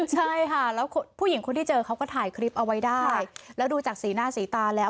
ใช่ค่ะแล้วผู้หญิงคนที่เจอเขาก็ถ่ายคลิปเอาไว้ได้แล้วดูจากสีหน้าสีตาแล้ว